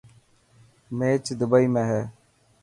ميچ دبي ۾ هي.